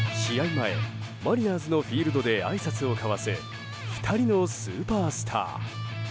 前マリナーズのフィールドであいさつを交わす２人のスーパースター。